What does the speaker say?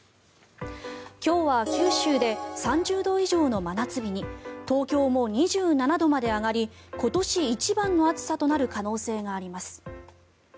今日は九州で３０度以上の真夏日に東京も２７度まで上がり今年一番の暑さとなる可能性があります。